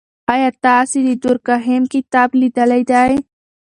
آیا تاسې د دورکهایم کتاب لیدلی دی؟